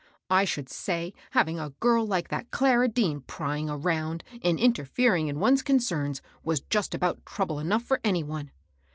" I should say having a girl like that Clara Dean prying around and interfering with one's concerns was just about trouble enough for any one